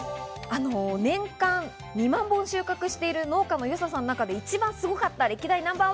年間２万本収穫している農家のよささんの中で一番すごかった歴代